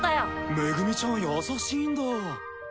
メグミちゃん優しいんだ。